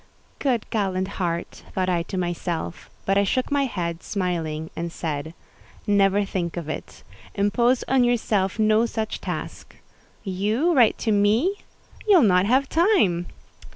"Good, gallant heart!" thought I to myself; but I shook my head, smiling, and said, "Never think of it: impose on yourself no such task. You write to me!—you'll not have time."